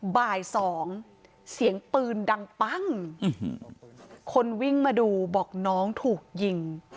บ่ายสองเสียงปืนดังปั้งคนวิ่งมาดูบอกน้องถูกยิง